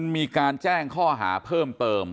มีการแจ้งข้อหาเพิ่มเติม